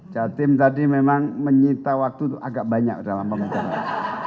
jatim tadi memang menyita waktu itu agak banyak dalam pemecahan